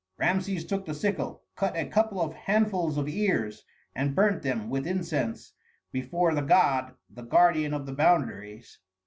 Rameses took the sickle, cut a couple of handfuls of ears, and burnt them with incense before the god the guardian of the boundaries.